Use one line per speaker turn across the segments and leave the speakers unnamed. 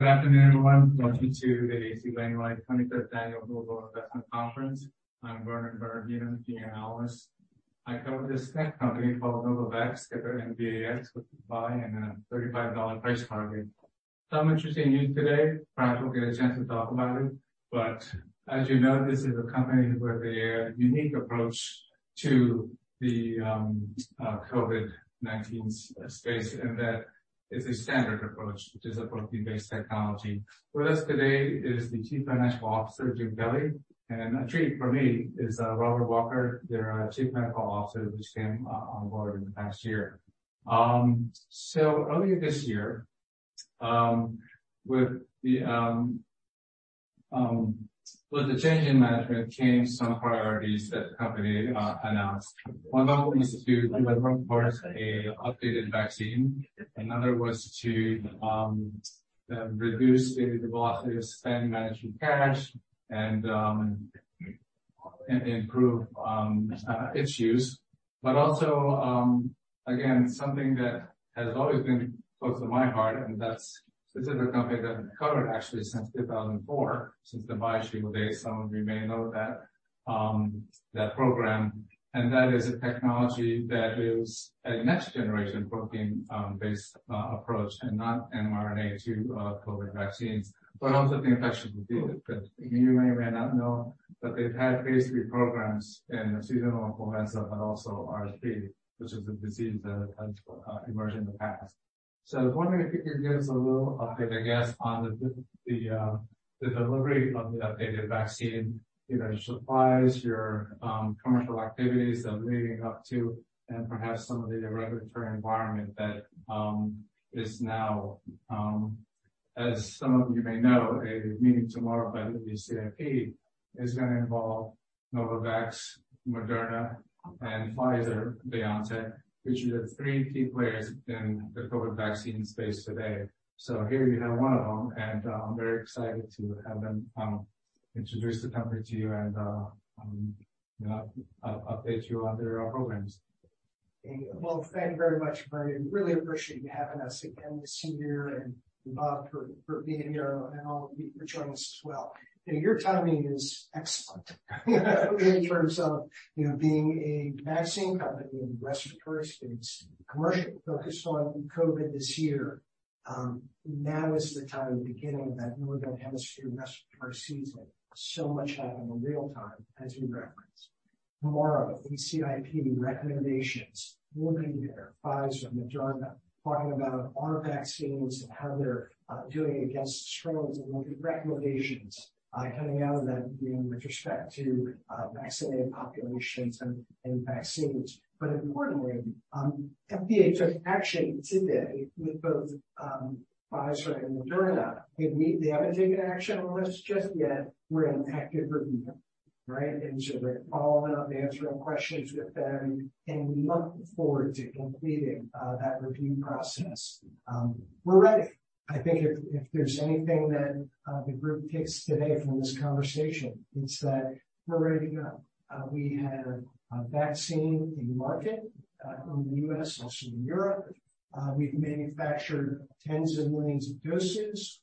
Good afternoon, everyone. Welcome to the H.C. Wainwright 25th Annual Global Investment Conference. I'm Vernon Bernardino, senior analyst. I cover this tech company called Novavax, ticker NVAX, with buy and a $35 price target. Some interesting news today. Perhaps we'll get a chance to talk about it. But as you know, this is a company with a unique approach to the COVID-19 space, and that is a standard approach, which is a protein-based technology. With us today is the Chief Financial Officer, Jim Kelly, and a treat for me is Robert Walker, their Chief Medical Officer, who just came onboard in the past year. So earlier this year, with the change in management came some priorities that the company announced. One of them was to develop first a updated vaccine. Another was to reduce the velocity of spend, managing cash, and improve its use. But also, again, something that has always been close to my heart, and that's this is a company that I've covered actually since 2004, since the BioShield days. Some of you may know that program, and that is a technology that is a next-generation protein-based approach and not mRNA to COVID vaccines, but also the infection with it. But you may or may not know that they've had phase III programs in seasonal influenza, but also RSV, which is a disease that has emerged in the past. So I was wondering if you could give us a little update, I guess, on the delivery of the updated vaccine, you know, your supplies, your commercial activities that are leading up to and perhaps some of the regulatory environment that is now... As some of you may know, a meeting tomorrow by the ACIP is going to involve Novavax, Moderna, and Pfizer-BioNTech, which are the three key players in the COVID vaccine space today. So here you have one of them, and I'm very excited to have them introduce the company to you and, you know, update you on their programs.
Well, thank you very much, Vernon. Really appreciate you having us again this year, and Bob, for being here, and all of you for joining us as well. You know, your timing is excellent, in terms of, you know, being a vaccine company in respiratory, it's commercial focused on COVID this year. Now is the time, the beginning of that northern hemisphere respiratory season. So much happening in real time, as you referenced. Tomorrow, ACIP recommendations will be there, Pfizer, Moderna, talking about our vaccines and how they're doing against strains, and we'll get recommendations coming out of that meeting with respect to vaccinated populations and vaccines. But importantly, FDA took action today with both Pfizer and Moderna. They haven't taken action on us just yet. We're in active review, right? We're following up, answering questions with them, and we look forward to completing that review process. We're ready. I think if there's anything that the group takes today from this conversation, it's that we're ready to go. We have a vaccine in market in the U.S., also in Europe. We've manufactured tens of millions of doses,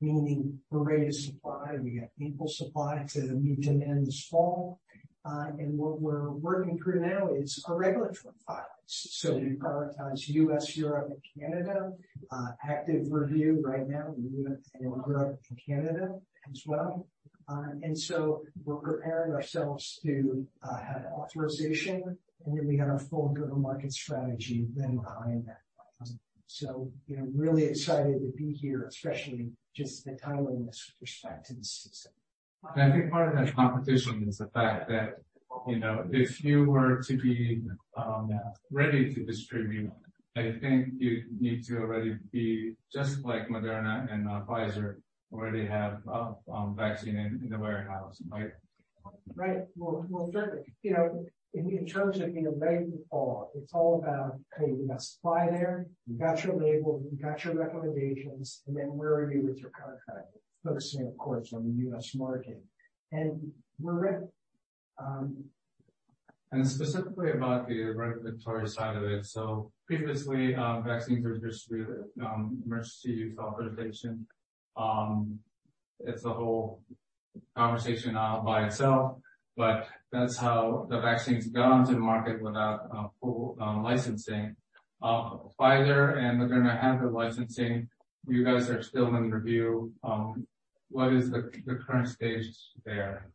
meaning we're ready to supply. We got ample supply to meet demand this fall. And what we're working through now is our regulatory filings. So we prioritize U.S., Europe, and Canada. Active review right now in the U.S., and Europe, and Canada as well. And so we're preparing ourselves to have authorization, and then we have a full go-to-market strategy then behind that. So, you know, really excited to be here, especially just the timing with respect to the season.
I think part of that competition is the fact that, you know, if you were to be ready to distribute, I think you'd need to already be just like Moderna and Pfizer, already have vaccine in the warehouse, right?
Right. Well, well, certainly. You know, in terms of being ready in the fall, it's all about, okay, you got supply there, you got your label, you got your recommendations, and then where are you with your contract? Focusing, of course, on the U.S. market. And we're ready.
Specifically about the regulatory side of it. Previously, vaccines were just through Emergency Use Authorization. It's a whole conversation by itself, but that's how the vaccines got onto the market without full licensing. Pfizer and Moderna have the licensing. You guys are still in review. What is the current stage there?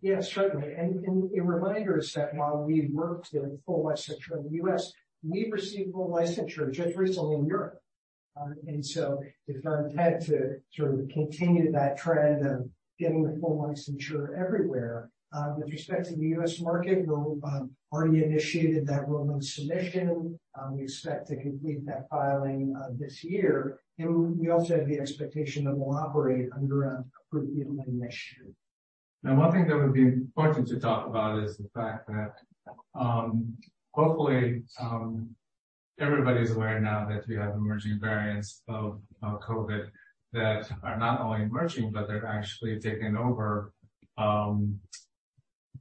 Yes, certainly. And a reminder is that while we worked in full licensure in the U.S., we received full licensure just recently in Europe. And so if I had to sort of continue that trend of getting the full licensure everywhere, with respect to the U.S. market, we'll already initiated that rolling submission. We expect to complete that filing this year. And we also have the expectation that we'll operate under an approval next year.
And one thing that would be important to talk about is the fact that, hopefully, everybody is aware now that we have emerging variants of, COVID that are not only emerging, but they're actually taking over,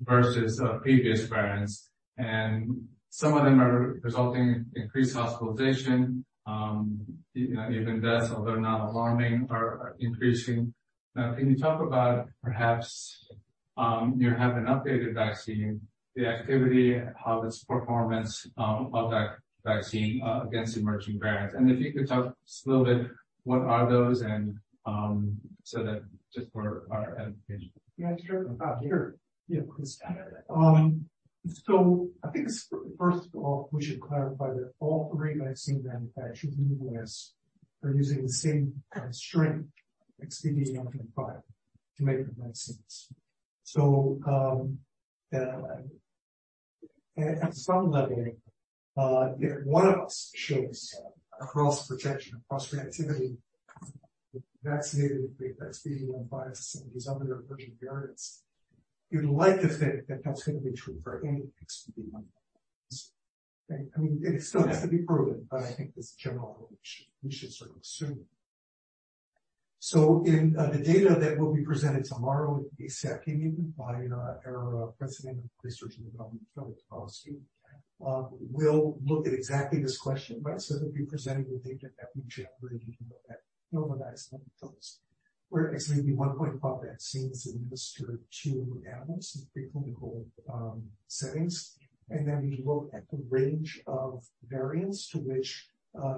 versus, previous variants, and some of them are resulting in increased hospitalization, you know, even deaths, although not alarming, are increasing. Now, can you talk about perhaps, you have an updated vaccine, the activity, how its performance, of that vaccine, against emerging variants? And if you could talk just a little bit, what are those and, so that just for our education.
Yeah, sure. Sure. Yeah, of course. So I think first of all, we should clarify that all three vaccine manufacturers in the U.S. are using the same strain, XBB.1.5, to make the vaccines. So, at some level, if one of us shows across protection, across reactivity, vaccinated with XBB.1.5 and these other emerging variants, you'd like to think that that's going to be true for any XBB variant. I mean, it still has to be proven, but I think this is a general rule we should sort of assume. So in the data that will be presented tomorrow, it will be presented by our president of research and development, Filip Dubovsky, we'll look at exactly this question, right? So we'll be presenting the data that we generated at Novavax, where XBB.1.5 vaccines administered to animals in preclinical settings. And then we look at the range of variants to which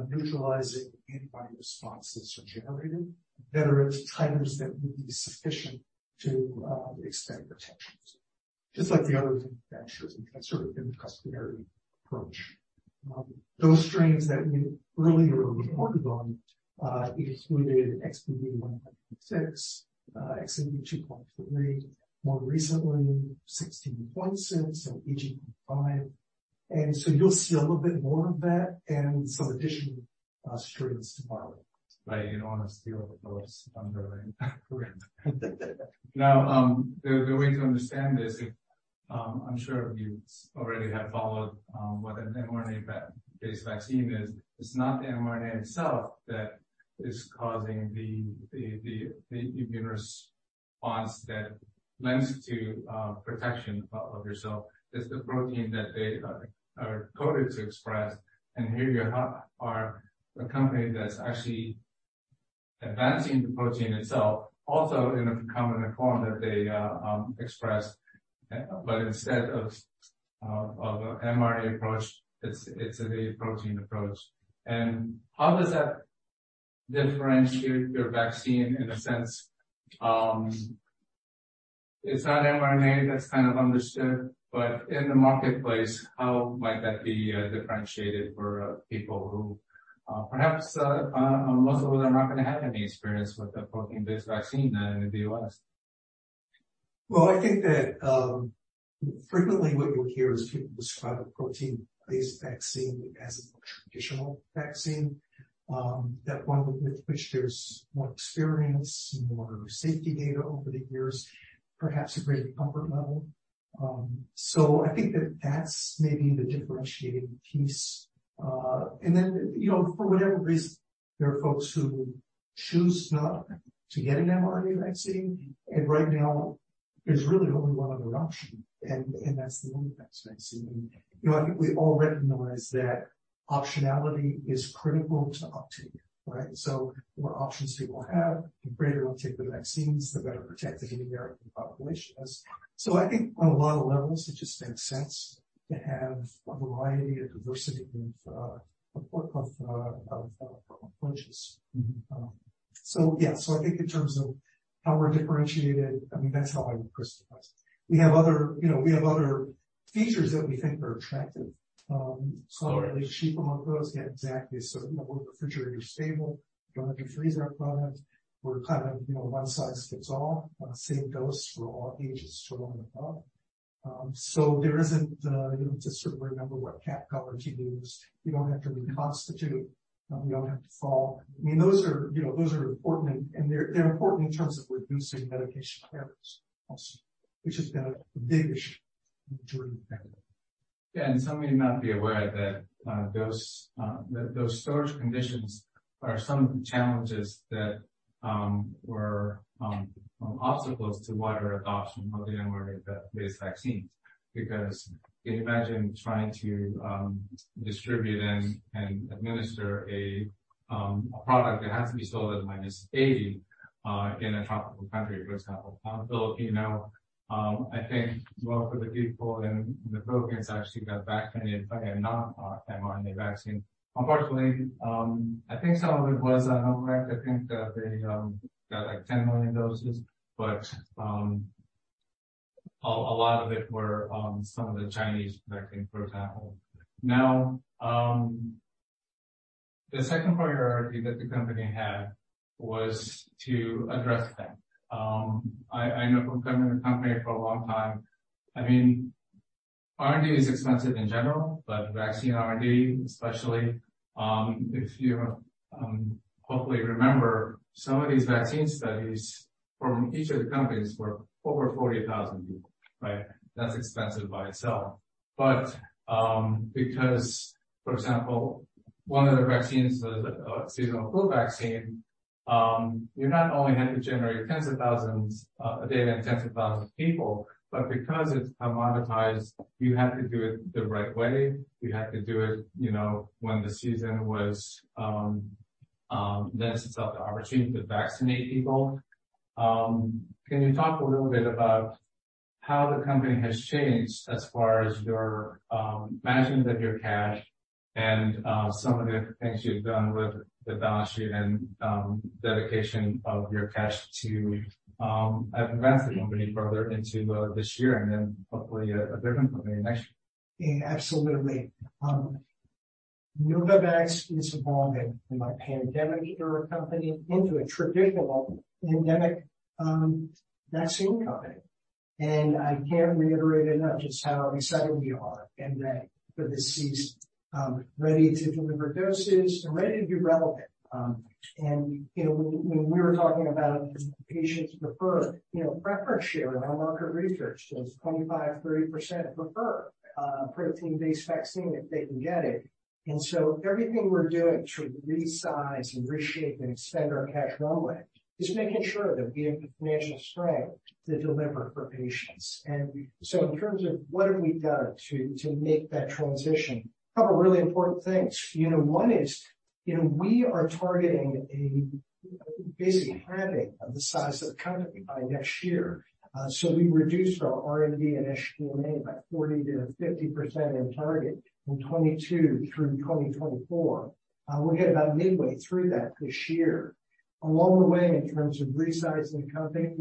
neutralizing antibody responses are generated, that are at titers that would be sufficient to extend protection. Just like the other manufacturers, that's sort of been the customary approach. Those strains that we earlier reported on included XBB.1.5, XBB.1.6, XBB.2.3, more recently, 16.6, so EG.5. And so you'll see a little bit more of that and some additional strains tomorrow.
Right. I don't want to steal the close, underling.
Correct.
Now, the way to understand this, I'm sure you already have followed what an mRNA-based vaccine is. It's not the mRNA itself that is causing the immune response that lends to protection of yourself. It's the protein that they are coded to express, and here you have a company that's actually advancing the protein itself, also in a common form that they express. But instead of an mRNA approach, it's a protein approach. How does that differentiate your vaccine in a sense? It's not mRNA that's kind of understood, but in the marketplace, how might that be differentiated for people who perhaps most of them are not going to have any experience with a protein-based vaccine in the U.S.?
Well, I think that frequently what you'll hear is people describe a protein-based vaccine as a traditional vaccine, that one with which there's more experience, more safety data over the years, perhaps a greater comfort level. So I think that that's maybe the differentiating piece. And then, you know, for whatever reason, there are folks who choose not to get an mRNA vaccine, and right now, there's really only one other option, and that's the Novavax vaccine. You know, I think we all recognize that optionality is critical to uptake, right? So the more options people have, the greater they'll take the vaccines, the better protected the American population is. So I think on a lot of levels, it just makes sense to have a variety, a diversity of approaches. So yeah, so I think in terms of how we're differentiated, I mean, that's how I would personalize it. We have other, you know, we have other features that we think are attractive,
Sure.
So are they cheap among those? Yeah, exactly. So, you know, we're refrigerator stable. You don't have to freeze our product. We're kind of, you know, one size fits all, same dose for all ages 12 and above. So there isn't, you have to sort of remember what cap color to use. You don't have to reconstitute, you don't have to fall. I mean, those are, you know, those are important, and they're, they're important in terms of reducing medication errors also, which has been a big issue during the pandemic.
Yeah, and some may not be aware that those storage conditions are some of the challenges that were obstacles to wider adoption of the mRNA-based vaccines. Because can you imagine trying to distribute and administer a product that has to be sold at minus 80 in a tropical country, for example, Philippines. I think most of the people in the Philippines actually got vaccinated, but not mRNA vaccine. Unfortunately, I think some of it was on Novavax. I think that they got like 10 million doses, but a lot of it were some of the Chinese vaccine, for example. Now, the second priority that the company had was to address that. I know from coming to the company for a long time, I mean, R&D is expensive in general, but vaccine R&D, especially, if you hopefully remember, some of these vaccine studies from each of the companies were over 40,000 people, right? That's expensive by itself. But, because, for example, one of the vaccines, the seasonal flu vaccine. You not only had to generate tens of thousands of data and tens of thousands of people, but because it's commoditized, you had to do it the right way. You had to do it, you know, when the season was, lends itself the opportunity to vaccinate people. Can you talk a little bit about how the company has changed as far as your management of your cash and some of the things you've done with the balance sheet and dedication of your cash to advance the company further into this year and then hopefully a different company next year?
Yeah, absolutely. Novavax is evolving from a pandemic-era company into a traditional endemic vaccine company. And I can't reiterate enough just how excited we are and that for this season ready to deliver doses and ready to be relevant. And, you know, when we were talking about patients prefer, you know, preference share in our market research says 25-30% prefer a protein-based vaccine if they can get it. And so everything we're doing to resize and reshape and extend our cash runway is making sure that we have the financial strength to deliver for patients. And so in terms of what have we done to make that transition, a couple of really important things. You know, one is, you know, we are targeting a basic halving of the size of the company by next year. So we reduced our R&D and SG&A by 40%-50% in target from 2022 through 2024. We're about midway through that this year. Along the way, in terms of resizing the company,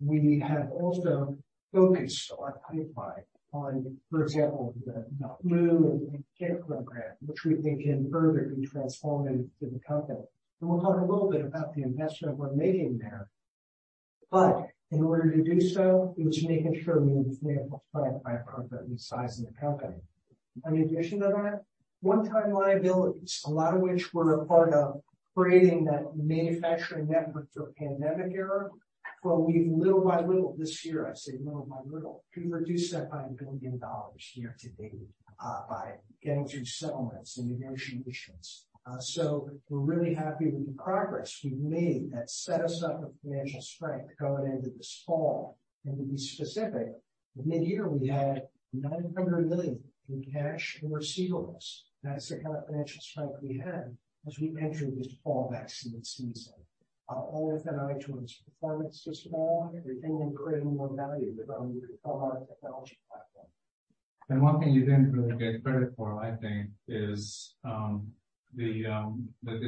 we have also focused a lot of pipeline on, for example, the flu and Ebola program, which we think can further be transformed into the company. And we'll talk a little bit about the investment we're making there. But in order to do so, it was making sure we had the financial strength by appropriately sizing the company. In addition to that, one-time liabilities, a lot of which were a part of creating that manufacturing network for a pandemic era, where we little by little, this year, I say little by little, we reduced that by $1 billion year to date, by getting through settlements and negotiations. So we're really happy with the progress we've made that set us up with financial strength going into this fall. To be specific, mid-year, we had $900 million in cash and receivables. That's the kind of financial strength we had as we entered this fall vaccine season. Overall with an eye towards performance this fall, everything and creating more value with our technology platform.
One thing you didn't really get credit for, I think, is the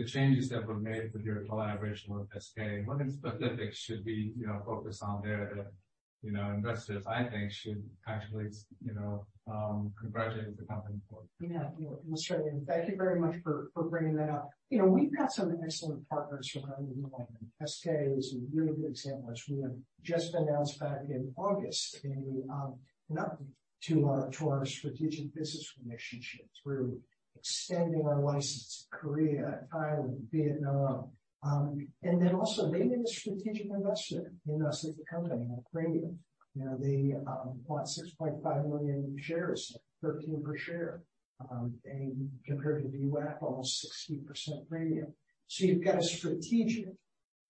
changes that were made with your collaboration with SK. What, in specific, should be, you know, focused on there that, you know, investors, I think, should actually, you know, congratulate the company for?
Yeah, well, certainly. Thank you very much for bringing that up. You know, we've got some excellent partners around the world, and SK is a really good example, as we have just announced back in August, a new note to our strategic business relationship through extending our license to Korea, Thailand, Vietnam. And then also making a strategic investor in us as a company, a premium. You know, they bought 6.5 million shares, $13 per share, and compared to the US, almost 16% premium. So you've got a strategic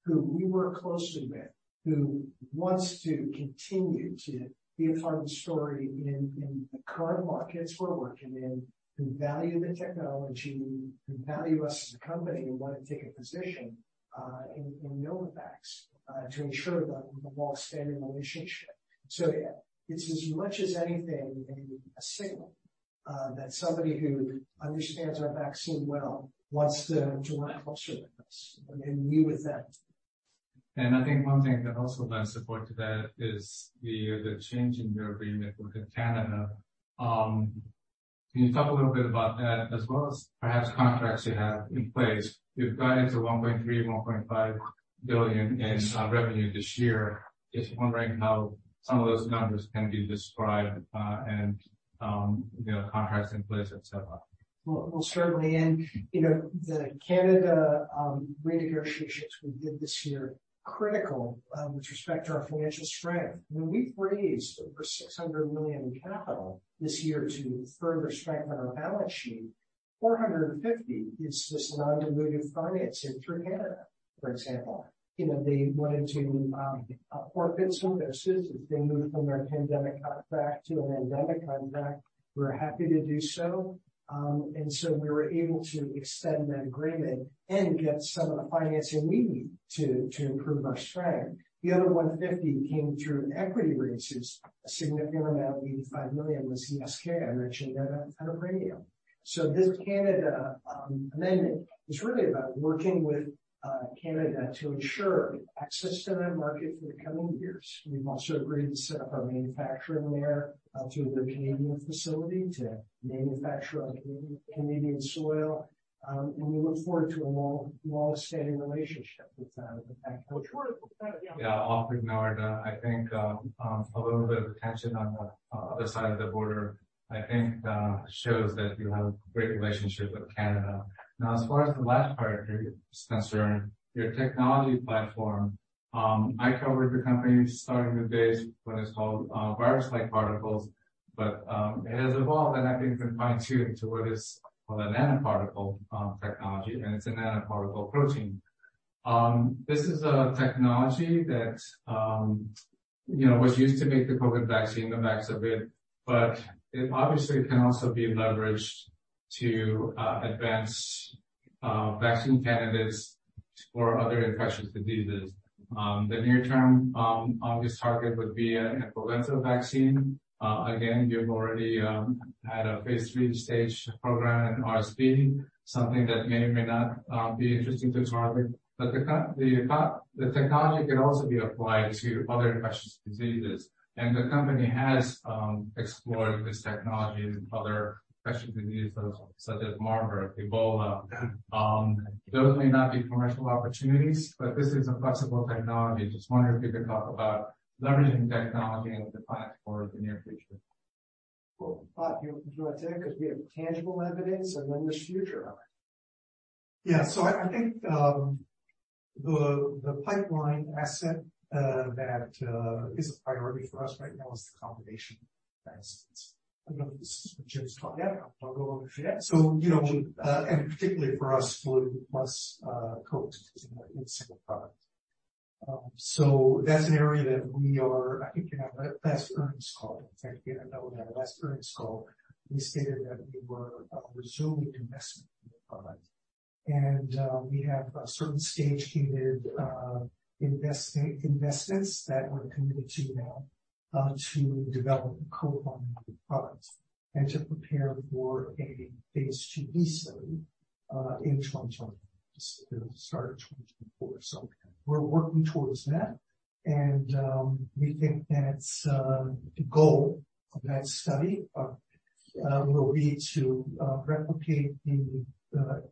who we work closely with, who wants to continue to be a part of the story in the current markets we're working in, who value the technology, who value us as a company, and want to take a position in Novavax to ensure that we have a long-standing relationship. So yeah, it's as much as anything, a signal that somebody who understands our vaccine well wants to partner with us and we with them.
I think one thing that also lends support to that is the change in your agreement with Canada. Can you talk a little bit about that as well as perhaps contracts you have in place? You've guided to $1.3-$1.5 billion in revenue this year. Just wondering how some of those numbers can be described, and you know, contracts in place, et cetera.
Well, well, certainly. And, you know, the Canada renegotiations we did this year, critical with respect to our financial strength. When we raised over $600 million in capital this year to further strengthen our balance sheet, $450 million is this non-dilutive financing through Canada, for example. You know, they wanted to forfeit some doses as they moved from their pandemic contract to an endemic contract. We're happy to do so. And so we were able to extend that agreement and get some of the financing we need to improve our strength. The other $150 million came through equity raises. A significant amount, $85 million, was SK, I mentioned that at a premium. So this Canada amendment is really about working with Canada to ensure access to that market for the coming years. We've also agreed to set up our manufacturing there, through the Canadian facility, to manufacture on Canadian soil. And we look forward to a long, long-standing relationship with them. Which we're-
Yeah, often ignored, I think, a little bit of tension on the other side of the border, I think, shows that you have a great relationship with Canada. Now, as far as the last part is concerned, your technology platform, I covered the company starting the days when it's called virus-like particles, but, it has evolved, and I think been fine-tuned to what is called a nanoparticle technology, and it's a nanoparticle protein. This is a technology that, you know, was used to make the COVID vaccine, the Nuvaxovid, but it obviously can also be leveraged to advance vaccine candidates for other infectious diseases. The near term obvious target would be an influenza vaccine. Again, you've already had a phase III stage program in RSV, something that may or may not be interesting to target. But the technology can also be applied to other infectious diseases, and the company has explored this technology in other infectious diseases such as Marburg, Ebola. Those may not be commercial opportunities, but this is a flexible technology. Just wondering if you could talk about leveraging technology in the plant for the near future.
Well, Bob, do you want to take it? Because we have tangible evidence and then there's future on it.
Yeah. So I think the pipeline asset that is a priority for us right now is the combination vaccines. I know this is what Jim's talking about, I'll go over that. So, you know, and particularly for us, flu plus COVID in a single product. So that's an area that we are. I think, in our last earnings call, in fact, we had our last earnings call, we stated that we were resuming investment in the product. And we have a certain stage-gated investments that we're committed to now to develop a co-formulated product and to prepare for a phase IIB study in 2024, the start of 2024. So we're working towards that, and we think that's the goal of that study will be to replicate the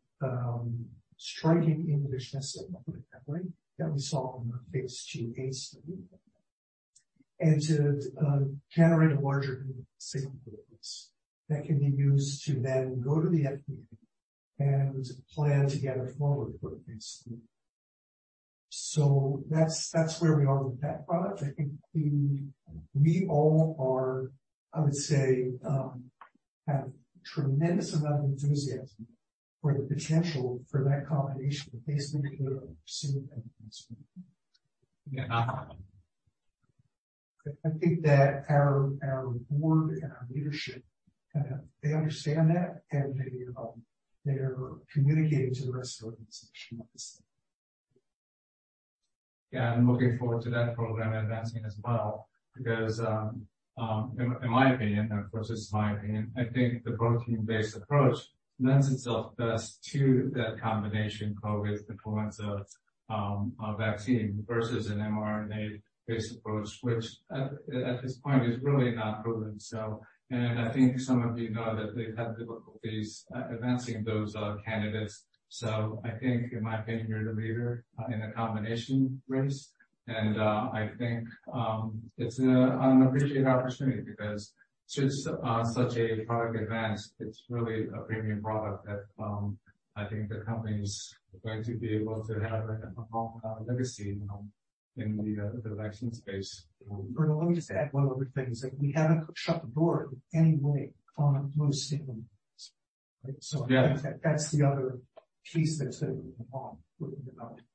striking immunogenicity, put it that way, that we saw on the phase IIA study, and to generate a larger signal that can be used to then go to the FDA and plan to get a formal approval, basically. So that's where we are with that product. I think we all are, I would say, have tremendous amount of enthusiasm for the potential for that combination, basically to pursue.
Yeah.
I think that our board and our leadership, they understand that, and, they're communicating to the rest of the organization the same.
Yeah, I'm looking forward to that program advancing as well, because in my opinion, of course, it's my opinion, I think the protein-based approach lends itself best to that combination COVID influenza vaccine, versus an mRNA-based approach, which at this point is really not proven so. And I think some of you know that they've had difficulties advancing those candidates. So I think, in my opinion, you're the leader in the combination race, and I think it's an appreciated opportunity because since such a product advance, it's really a premium product that I think the company's going to be able to have a long legacy in the vaccine space.
Let me just add one other thing, is that we haven't shut the door in any way on most signals, right?
Yeah.
So that's the other piece that's involved with development,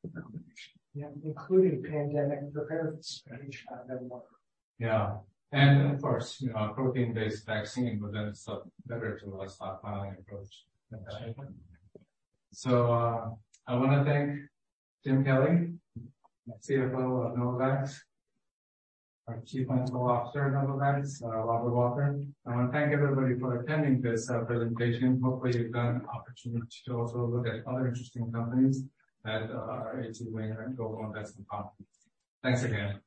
yeah, including pandemic preparedness network.
Yeah. And of course, you know, a protein-based vaccine, but then it's a better to less top filing approach. So, I want to thank Jim Kelly, CFO of Novavax, our Chief Medical Officer, Novavax, Robert Walker. I want to thank everybody for attending this presentation. Hopefully, you've got an opportunity to also look at other interesting companies at our H.C. Wainwright and Global Investment Conference. Thanks again.